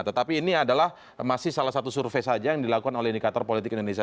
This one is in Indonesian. tetapi ini adalah masih salah satu survei saja yang dilakukan oleh indikator politik indonesia